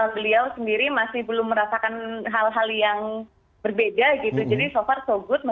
beliau sendiri masih belum merasakan hal hal yang berbeda gitu